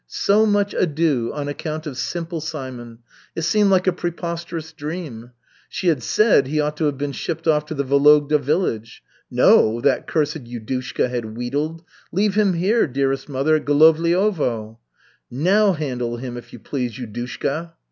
So much ado on account of Simple Simon! It seemed like a preposterous dream. She had said he ought to have been shipped off to the Vologda village. "No," that cursed Yudushka had wheedled, "leave him here, dearest mother, at Golovliovo." Now handle him, if you please, Yudushka.